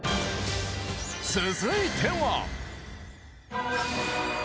続いては。